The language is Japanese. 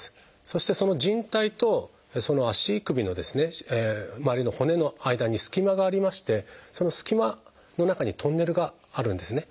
そしてそのじん帯と足首の周りの骨の間に隙間がありましてその隙間の中にトンネルがあるんですね。